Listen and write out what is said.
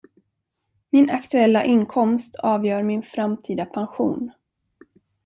Min aktuella inkomst avgör min framtida pension.